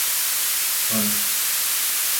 Aj.